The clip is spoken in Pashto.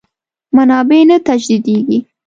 منابع نه تجدیدېږي.